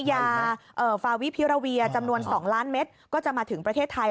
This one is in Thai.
ยาฟาวิพิราเวียจำนวน๒ล้านเมตรก็จะมาถึงประเทศไทย